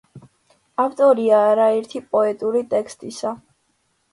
ავტორია არაერთი პოეტური ტექსტისა.